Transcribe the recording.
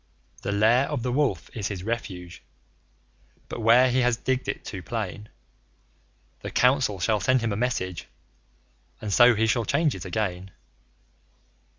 The Lair of the Wolf is his refuge, but where he has digged it too plain, The Council shall send him a message, and so he shall change it again.